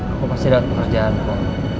aku pasti dapat pekerjaanmu